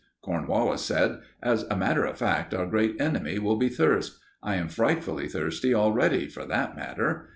Cornwallis said: "As a matter of fact, our great enemy will be thirst. I am frightfully thirsty already, for that matter."